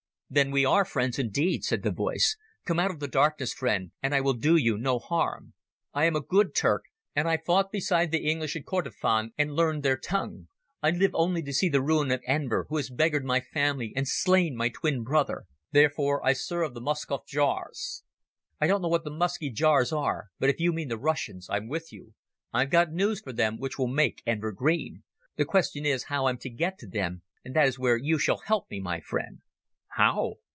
"Then are we friends indeed," said the voice. "Come out of the darkness, friend, and I will do you no harm. I am a good Turk, and I fought beside the English in Kordofan and learned their tongue. I live only to see the ruin of Enver, who has beggared my family and slain my twin brother. Therefore I serve the Muscov ghiaours." "I don't know what the Musky Jaws are, but if you mean the Russians I'm with you. I've got news for them which will make Enver green. The question is, how I'm to get to them, and that is where you shall help me, my friend." "How?"